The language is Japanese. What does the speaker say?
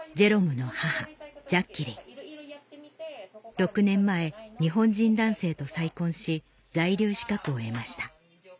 ６年前日本人男性と再婚し在留資格を得ました